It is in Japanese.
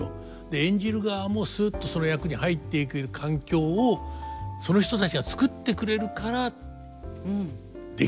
演じる側もすっとその役に入っていける環境をその人たちが作ってくれるからできるんですよね。